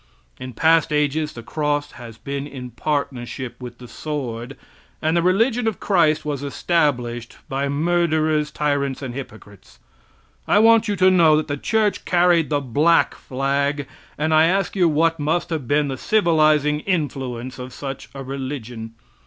In past ages the cross has been in partnership with the sword, and the religion of Christ was established by murderers, tyrants and hypocrites. I want you to know that the church carried the black flag, and I ask you what must have been the civilizing influence of such a religion?